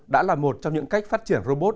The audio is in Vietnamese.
đã là một trong những cách phát triển robot